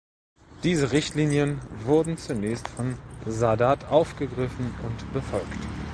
Diese Richtlinien wurden zunächst von Sadat aufgegriffen und befolgt.